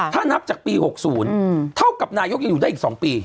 ถ้านับจากปี๖๐เท่ากับนายกยังอยู่ได้อีก๒ปี